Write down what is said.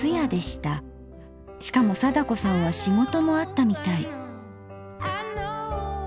しかも貞子さんは仕事もあったみたい。